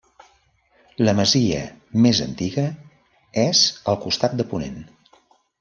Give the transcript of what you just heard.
La masia, més antiga, és al costat de ponent.